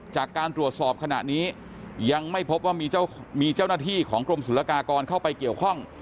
จากการตรวจสอบขณะนี้ยังไม่พบว่ามีเจ้าหน้าที่ของกรมศุลกากรเข้าไปเกี่ยวข้อง